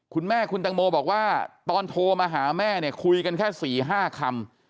คุณแม่คุณตังโมบอกว่าตอนโทรมาหาแม่เนี่ยคุยกันแค่๔๕คำ